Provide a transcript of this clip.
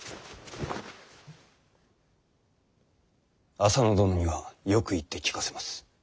浅野殿にはよく言って聞かせます。